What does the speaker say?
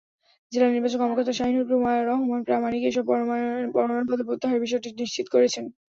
জেলা নির্বাচন কর্মকর্তা শাহীনুর রহমান প্রামাণিক এসব মনোনয়নপত্র প্রত্যাহারের বিষয়টি নিশ্চিত করেছেন।